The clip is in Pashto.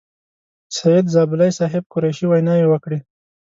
سعید زابلي صاحب، قریشي ویناوې وکړې.